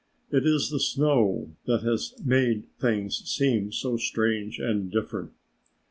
It is the snow that has made things seem so strange and different!"